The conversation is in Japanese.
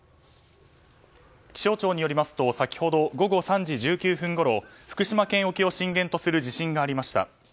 気象庁によりますと先ほど午後３時１９分ごろ福島県沖を震源とする地震がありました。